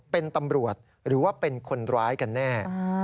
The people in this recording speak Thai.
เป็นตำรวจหรือว่าเป็นคนร้ายกันแน่